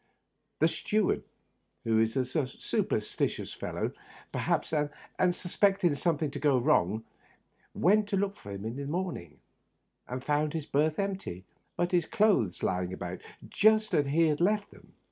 The steward, who is a superstitious fellow, perhaps, and ex pected something to go wrong, went to look for him this morning, and found his berth empty, but his clothes lying about, just as he had left them.